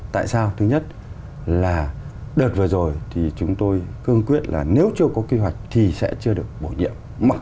tại sao thứ nhất là đợt vừa rồi thì chúng tôi cương quyết là nếu chưa có kế hoạch thì sẽ chưa được bổ nhiệm